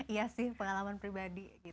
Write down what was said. iya sih pengalaman pribadi